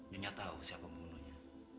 nyonya tahu siapa pembunuhnya